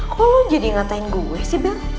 kok lo jadi ngatain gue sih bilang